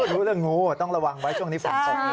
รู้เรื่องงูต้องระวังไว้ช่วงนี้ฝนตก